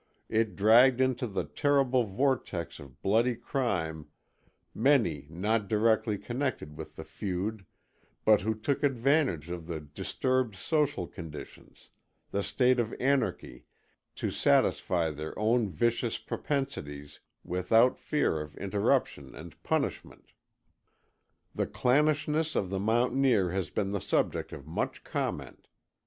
It dragged into the terrible vortex of bloody crime many not directly connected with the feud, but who took advantage of the disturbed social conditions, the state of anarchy, to satisfy their own vicious propensities without fear of interruption and punishment. The clannishness of the mountaineer has been the subject of much comment.